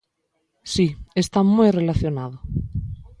Si, está moi relacionado.